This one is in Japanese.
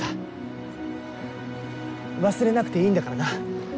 忘れなくていいんだからな。